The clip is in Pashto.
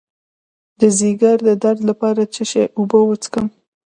د ځیګر د درد لپاره د څه شي اوبه وڅښم؟